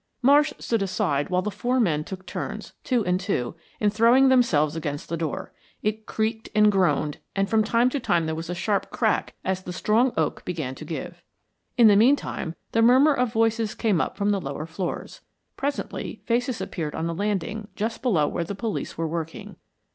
Marsh stood aside while the four men took turns, two and two, in throwing themselves against the door. It creaked and groaned, and from time to time there was a sharp crack as the strong oak began to give. In the meantime, the murmur of voices came up from the lower floors. Presently faces appeared on the landing just below where the police were working.